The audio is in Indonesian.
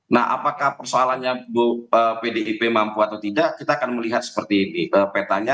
nah apakah persoalannya pdip mampu atau tidak kita akan melihat seperti ini petanya